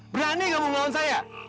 berani gak mau ngelawan saya